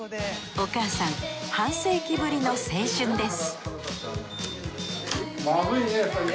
お母さん半世紀ぶりの青春です